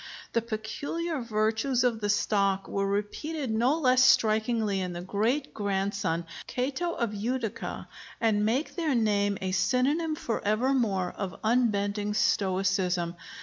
The peculiar virtues of the stock were repeated no less strikingly in the great grandson, Cato of Utica, and make their name a synonym forevermore of unbending stoicism.